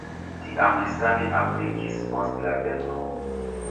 Tiam li same abdikis post la venko.